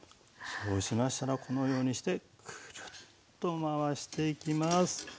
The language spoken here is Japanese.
そうしましたらこのようにしてクルッと回していきます。